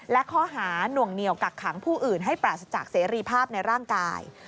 และข้อหาหน่วงเหนียวกักขังผู้อื่นให้ปราศจากเสรีภาพในร่างกาย